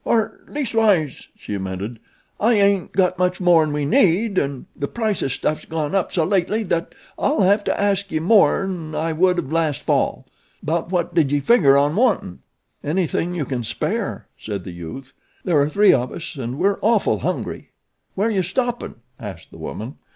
"Or, leastwise," she amended, "I ain't got much more'n we need an' the price o' stuff's gone up so lately that I'll hev to ask ye more'n I would of last fall. 'Bout what did ye figger on wantin'?" "Anything you can spare," said the youth. "There are three of us and we're awful hungry." "Where yew stoppin'?" asked the woman.